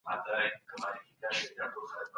کروندګرو د خټکو تخمونه له کومو ځایونو راوړل؟